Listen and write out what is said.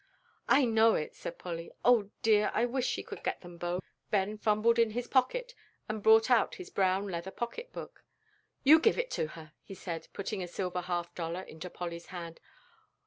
"I know it," said Polly. "O dear me, I wish she could get them both." Ben fumbled in his pocket and brought out his brown leather pocket book. "You give it to her," he said, putting a silver half dollar into Polly's hand.